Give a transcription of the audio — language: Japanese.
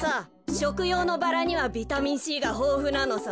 しょくようのバラにはビタミンＣがほうふなのさ。